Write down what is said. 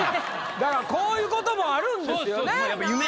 だからこういうこともあるんですよね。